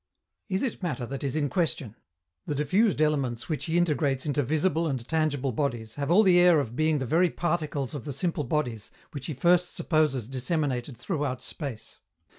Is it matter that is in question? The diffused elements which he integrates into visible and tangible bodies have all the air of being the very particles of the simple bodies, which he first supposes disseminated throughout space.